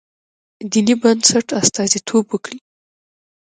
دیني بنسټ استازیتوب وکړي.